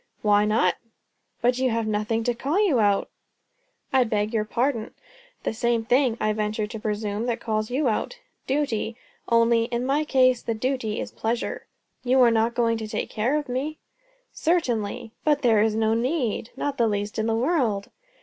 "Why not?" "But you have nothing to call you out?" "I beg your pardon. The same thing, I venture to presume, that calls you out, duty. Only in my case the duty is pleasure." "You are not going to take care of me?" "Certainly." "But there's no need. Not the least in the world."